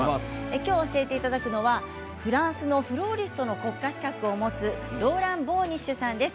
きょう教えていただくのはフランスのフローリストの国家資格を持つローラン・ボーニッシュさんです。